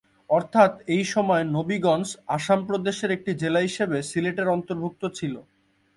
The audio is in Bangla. অর্থাৎ এই সময়ে নবীগঞ্জ আসাম প্রদেশের একটি জেলা হিসেবে সিলেটের অন্তর্ভুক্ত ছিল।